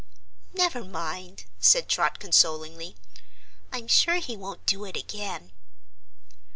"Never mind," said Trot consolingly; "I'm sure he won't do it again."